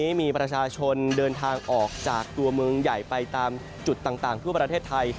วันนี้มีประชาชนเดินทางออกจากตัวเมืองใหญ่ไปตามจุดต่างทั่วประเทศไทย